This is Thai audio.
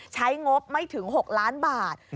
งบไม่ถึง๖ล้านบาท